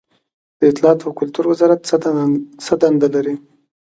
د اطلاعاتو او کلتور وزارت څه دنده لري؟